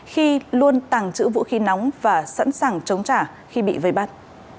khi luôn tàng trữ vũ khí nóng và sẵn sàng chống trả khi bị vây bắt